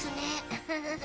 ウフフフ。